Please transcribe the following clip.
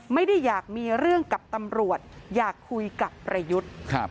ไม่ได้อยากมีเรื่องกับตำรวจอยากคุยกับประยุทธ์